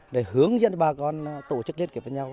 để hướng dẫn bà con tổ chức liên kệp với nhau